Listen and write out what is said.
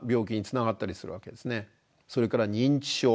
それから認知症。